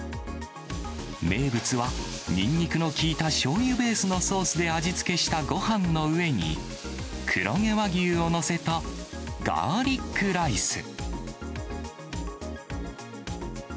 名物は、ニンニクの効いたしょうゆベースのソースで味付けしたごはんの上に、黒毛和牛を載せたガーリックライス。